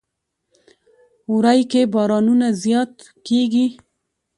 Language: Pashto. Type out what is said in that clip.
وری کې بارانونه زیات کیږي.